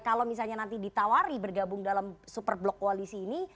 kalau misalnya nanti ditawari bergabung dalam super blok koalisi ini